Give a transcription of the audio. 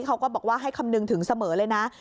เขาก็บอกว่าให้คำนึงถึงเสมอเลยนะ